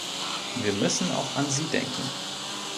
Wir müssen auch an sie denken.